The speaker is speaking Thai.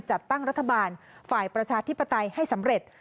จัดตั้งรัฐบาลฝ่ายประชาธิปไตยให้สำเร็จ